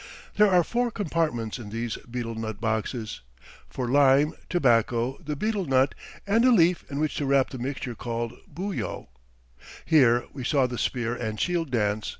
There are four compartments in these betel nut boxes for lime, tobacco, the betel nut, and a leaf in which to wrap the mixture called buyo. Here we saw the spear and shield dance.